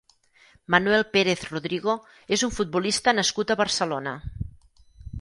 Manuel Pérez Rodrigo és un futbolista nascut a Barcelona.